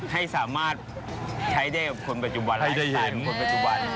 ที่ที่ผู้แลงกว่าประเภณีเรี่ยงของใครครับ